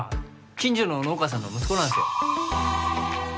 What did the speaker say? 近所の農家さんの息子なんすよ